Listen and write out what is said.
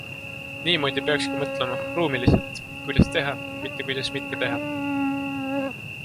Niimoodi peakski mõtlema, ruumiliselt, kuidas teha, mitte kuidas mitte teha.